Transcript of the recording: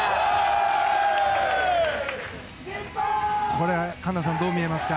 これ環奈さん、どう見えますか？